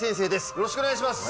よろしくお願いします